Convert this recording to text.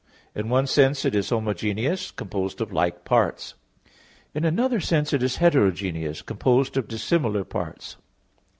In one sense it is homogeneous, composed of like parts; in another sense it is heterogeneous, composed of dissimilar parts.